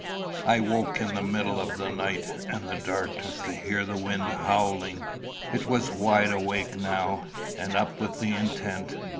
I woke in the middle of the night and the darkness to hear the wind howling. It was wide awake now, and up with intent.